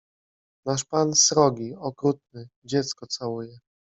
Nasz pan srogi, okrutny, dziecko całuje.